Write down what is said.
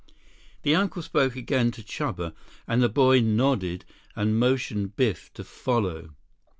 96 The uncle spoke again to Chuba, and the boy nodded and motioned Biff to follow.